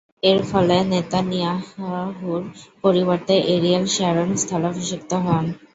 এরফলে নেতানিয়াহু’র পরিবর্তে Ariel Sharon স্থলাভিষিক্ত হন।